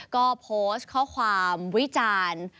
ก็โพสต์ข้อความวิจารณ์